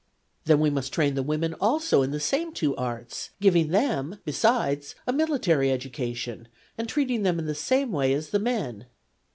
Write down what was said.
' Then we must train the women also in the same two arts, giving them, besides, a military education and treating them in the same way as the men.'